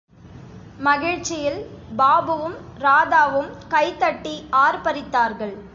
மகிழ்ச்சியில், பாபுவும், ராதாவும் கை தட்டி ஆர்பரித்தார்கள்.